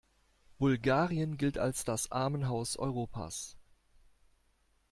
Bulgarien gilt als das Armenhaus Europas.